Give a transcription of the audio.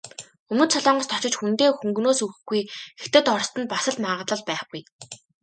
Өмнөд Солонгост очиж хүндээ хөнгөнөөс өгөхгүй, Хятад, Орост нь бас л магадлал байхгүй.